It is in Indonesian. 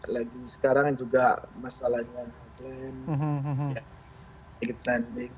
lagi sekarang juga masalahnya